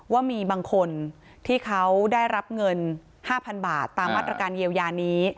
ว่ามีบางคนที่เขาได้รับเงิน๕๐๐๐บาทตามมาตรการเยียวยานี้